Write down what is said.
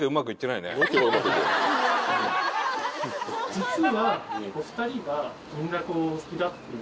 実は。